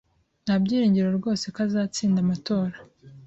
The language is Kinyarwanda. Nta byiringiro rwose ko azatsinda amatora.